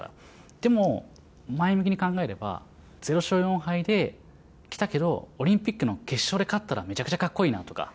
でも、前向きに考えれば、０勝４敗できたけど、オリンピックの決勝で勝ったらめちゃくちゃかっこいいなとか。